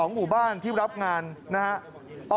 ๑๒หมู่บ้านที่รับงานนะฮะ